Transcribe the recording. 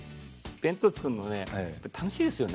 弁当を作るの、楽しいですよね。